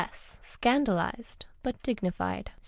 S. {scmidalized but dignified).